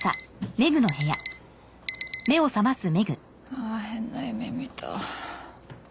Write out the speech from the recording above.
あぁ変な夢見た。